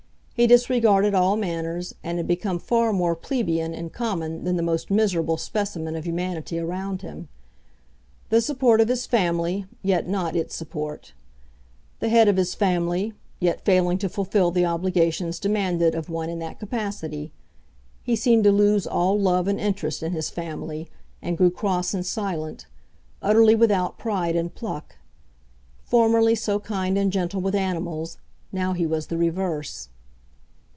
He disregarded all manners, and had become far more plebeian and common than the most miserable specimen of humanity around him. The support of his family, yet not, its support. The head of his family, yet failing to fulfil the obligations demanded of one in that capacity. He seemed to lose all love and interest in his family, and grew cross and silent, utterly without pride and pluck. Formerly so kind and gentle with animals, now he was the reverse.